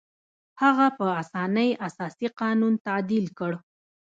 هغه په اسانۍ اساسي قانون تعدیل کړ.